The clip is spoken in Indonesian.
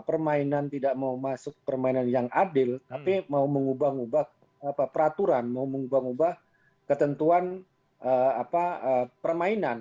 permainan tidak mau masuk permainan yang adil tapi mau mengubah ubah peraturan mau mengubah ubah ketentuan permainan